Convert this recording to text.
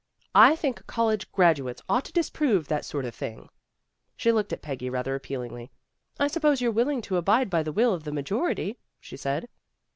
I think college graduates ought to disprove that sort of thing." She looked at Peggy rather appealingly. "I suppose you're willing to abide by the will of the majority," she said.